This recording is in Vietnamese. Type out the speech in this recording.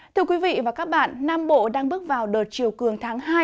thưa quý vị và các bạn nam bộ đang bước vào đợt chiều cường tháng hai